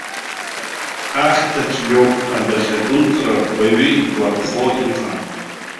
Ахьҭа цәгьоуп, адәахьы адәылҵра уаҩы игәаԥхо иҟам.